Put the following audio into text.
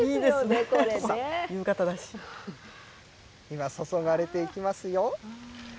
今、注がれていきますよ。